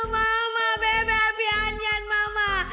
mama bebe api angin mama